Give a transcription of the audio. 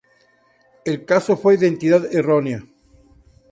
El caso fue "identidad errónea".